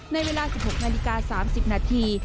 นาฬิกา๓๐นาที